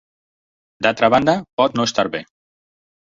D'altra banda, pot no estar bé.